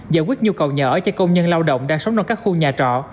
giải quyết nhu cầu nhà ở cho công nhân lao động đang sống trong các khu nhà trọ